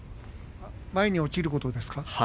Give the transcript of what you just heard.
前に落ちることですか？